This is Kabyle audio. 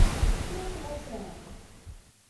Tsurfeḍ-asen?